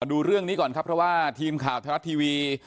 ดูเรื่องนี้ก่อนครับเพราะว่าทีมข่าวไทยรัฐทีวี